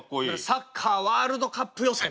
サッカーワールドカップ予選。